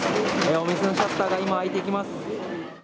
お店のシャッターが今、開いていきます。